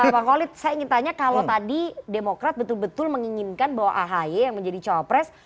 pak khalid saya ingin tanya kalau tadi demokrat betul betul menginginkan bahwa ahy yang menjadi copres